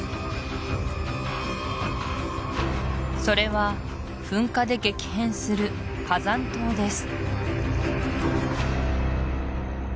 それは噴火で激変する火山島です